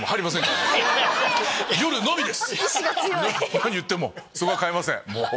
何言ってもそこは変えません。